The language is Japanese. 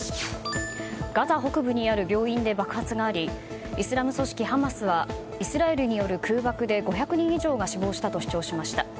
ガザ北部にある病院で爆発がありイスラム組織ハマスはイスラエルによる空爆で５００人以上が死亡したと主張しました。